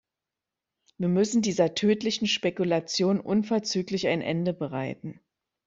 Wir müssen dieser tödlichen Spekulation unverzüglich ein Ende bereiten.